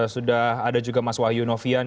sudah ada juga mas wahyu novian